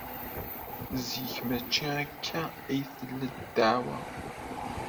Zik maci akka ay tella ddeɛwa.